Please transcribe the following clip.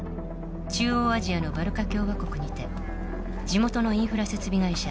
中央アジアのバルカ共和国にて地元のインフラ設備会社